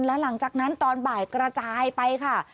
แล้วหลังจากนั้นตอนบ่ายกระจายไปค่ะ